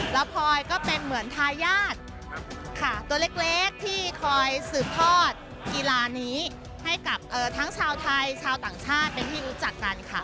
แล้วพลอยก็เป็นเหมือนทายาทค่ะตัวเล็กที่คอยสืบทอดกีฬานี้ให้กับทั้งชาวไทยชาวต่างชาติเป็นที่รู้จักกันค่ะ